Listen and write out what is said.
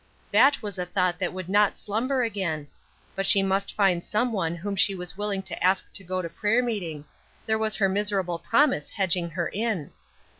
That was a thought that would not slumber again. But she must find some one whom she was willing to ask to go to prayer meeting; there was her miserable promise hedging her in.